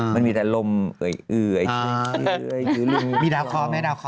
มันมีแต่ลมเอ่ยอื้อยชื่อลึงมีดาวคอไม่มีดาวคอ